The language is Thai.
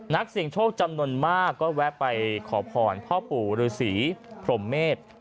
นักเสี่ยงโชคจำนวนมากก็แวะไปขอพรพ่อปู่ฤษีพรมเมษ